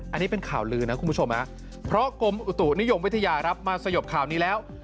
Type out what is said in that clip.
อันนี้เป็นข่าวลือนะคุณผู้ชมเพราะกรมอุตุนิยมวิทยาครับมาสยบข่าวนี้แล้ว